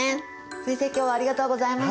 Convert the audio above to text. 先生今日はありがとうございました。